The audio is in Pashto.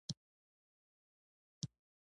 د ډالرو مزدورۍ وبللې.